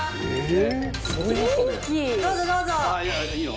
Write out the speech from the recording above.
どうぞどうぞ。